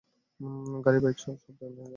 গাড়ি, বাইক সব তো একসাথে আনা যায় না!